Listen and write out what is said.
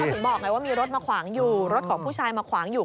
ถึงบอกไงว่ามีรถมาขวางอยู่รถของผู้ชายมาขวางอยู่